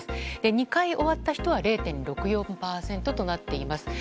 ２回終わった人は０．６４％となっています。